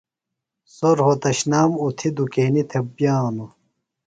سوۡ روھوتشنام اُتھیۡ دُکینیۡ تھےۡ بِیانوۡ۔